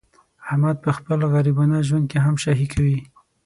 احمد په خپل غریبانه ژوند کې هم شاهي کوي.